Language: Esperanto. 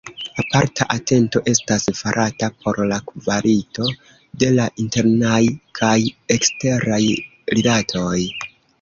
Aparta atento estas farata por la kvalito de la internaj kaj eksteraj rilatoj.